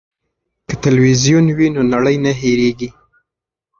که تلویزیون وي نو نړۍ نه هیریږي.